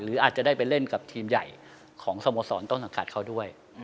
อาจจะได้ไปเล่นกับทีมใหญ่ของสโมสรต้นสังกัดเขาด้วย